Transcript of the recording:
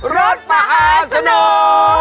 รถมหาสนุก